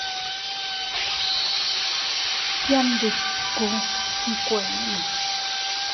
Tiandikku nkuenno.